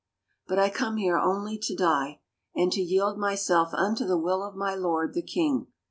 ... But I come here only to die ... and to yield myself unto the will of my lord, the king.